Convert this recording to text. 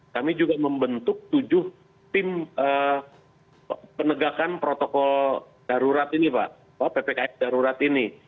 kami juga membentuk tujuh tim penegakan protokol darurat ini pak ppkm darurat ini